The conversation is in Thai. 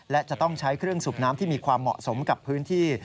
และจะต้องใช้เครื่องสูบน้ำที่มีความเหมาะสมกับพื้นที่